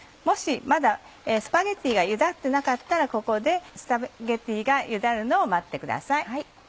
もしまだスパゲティが茹だってなかったらここでスパゲティが茹だるのを待ってください。